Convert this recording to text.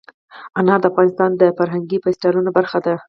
انار د افغانستان د فرهنګي فستیوالونو برخه ده.